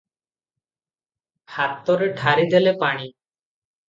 ହାତରେ ଠାରିଦେଲେ - ପାଣି ।